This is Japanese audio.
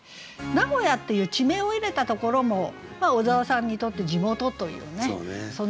「名古屋」っていう地名を入れたところも小沢さんにとって地元というねその嬉しさがありますよね。